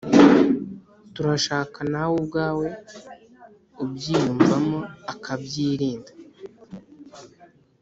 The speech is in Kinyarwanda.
Turashaka nawe ubwawe ubyiyumvamo ukabyirinda